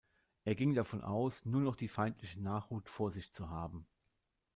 Er ging davon aus, nur noch die feindliche Nachhut vor sich zu haben.